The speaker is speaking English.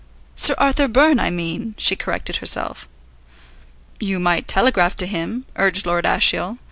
"Sir Arthur Byrne, I mean," she corrected herself. "You might telegraph to him," urged Lord Ashiel.